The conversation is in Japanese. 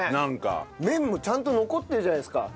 麺もちゃんと残ってるじゃないですか。